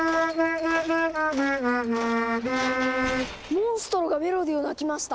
モンストロがメロディーを鳴きました！